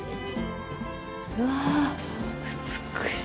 うわあ美しい。